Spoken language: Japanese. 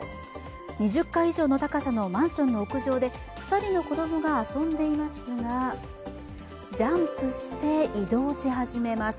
２０階以上の高さのマンションの屋上で２人の子供が遊んでいますがジャンプして移動し始めます。